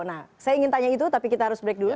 nah saya ingin tanya itu tapi kita harus break dulu